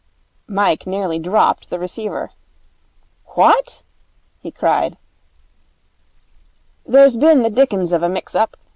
Mike nearly dropped the receiver. 'What?' he cried. 'There's been the dickens of a mix up.